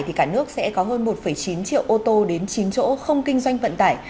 thì cả nước sẽ có hơn một chín triệu ô tô đến chín chỗ không kinh doanh vận tải